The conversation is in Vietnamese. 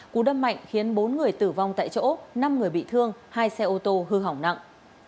cú đâm mạnh khiến bốn người tử vong tại chỗ năm người bị thương hai xe ô tô hư hỏng nặng